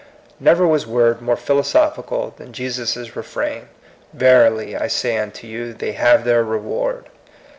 Never was word more philosophical than Jesus* refrain, Verily, I say unto you, they haye their reward."